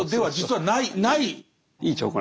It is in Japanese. はい。